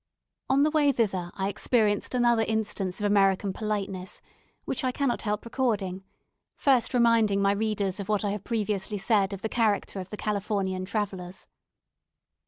On the way thither I experienced another instance of American politeness, which I cannot help recording; first reminding my readers of what I have previously said of the character of the Californian travellers.